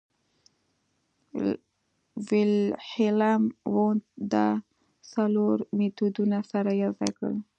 ویلهیلم وونت دا څلور مېتودونه سره یوځای کړل